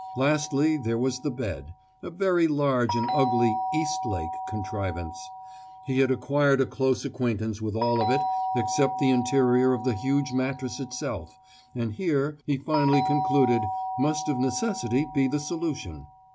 Lastly, there was the bed, a very large and ugly "Eastlake" contrivance; he had acquired a close acquaintance with all of it except the interior of the huge mattress itself, and here, he finally concluded, must of necessity be the solution.